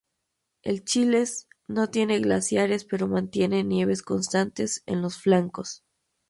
El Chiles no tiene glaciares pero mantiene nieves constantes en los flancos.